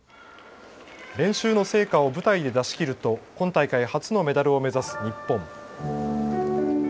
練習の成果を舞台で出しきると今大会初のメダルを目指す日本。